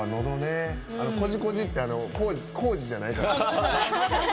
「コジコジ」って康二じゃないからね。